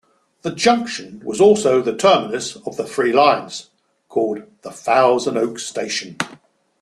The junction was also the terminus of the three lines, called "Thousand Oaks Station".